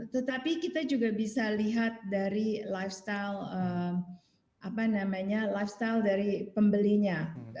tetapi kita juga bisa lihat dari lifestyle lifestyle dari pembelinya